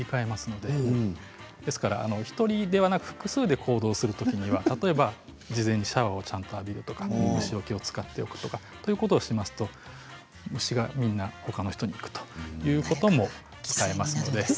ですから１人ではなく複数で行動するときは事前にシャワーを浴びるとか虫よけを使っておくとかしますと虫がほかの人に行くということもあります。